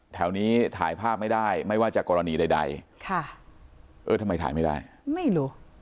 แถวนี้ถ่ายภาพไม่ได้ไม่ว่าจะกรณีใดค่ะเออทำไมถ่ายไม่ได้ไม่รู้